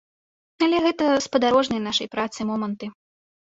Але гэта спадарожныя нашай працы моманты.